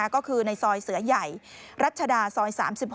ก็คือในซอยเสือใหญ่รัชดาซอย๓๖